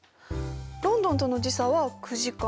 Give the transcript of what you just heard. ロンドンとの時差は９時間。